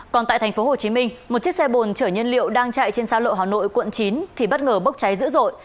còn tại tp hcm một chiếc xe bồn chở nhân liệu đang chạy trên xa lộ hà nội quận chín thì bất ngờ bốc cháy dữ dội